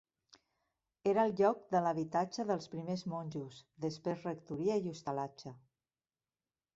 Era el lloc de l'habitatge dels primers monjos, després rectoria i hostalatge.